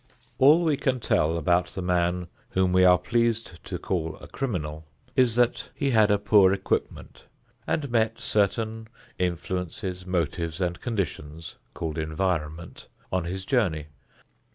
All we can tell about the man whom we are pleased to call a criminal, is that he had a poor equipment and met certain influences, motives and conditions, called environment, on his journey.